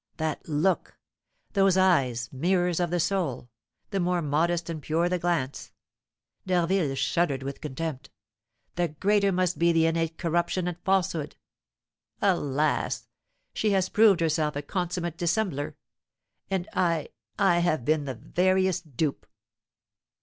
That look, those eyes, mirrors of the soul, the more modest and pure the glance" (D'Harville shuddered with contempt) "the greater must be the innate corruption and falsehood! Alas! she has proved herself a consummate dissembler; and I I have been the veriest dupe!